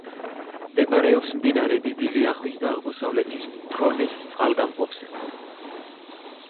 მდებარეობს მდინარე დიდი ლიახვისა და აღმოსავლეთის ფრონეს წყალგამყოფზე.